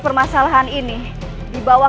permasalahan ini dibawa